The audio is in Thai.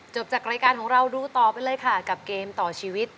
จากรายการของเราดูต่อไปเลยค่ะกับเกมต่อชีวิต